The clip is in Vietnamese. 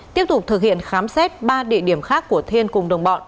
tiếp tục thực hiện khám xét ba địa điểm khác của thiên cùng đồng bọn